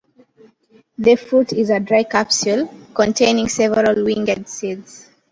The fruit is a dry capsule, containing several winged seeds.